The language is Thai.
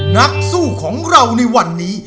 นักสู้ของเราในวันนี้